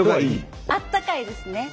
あったかいですね。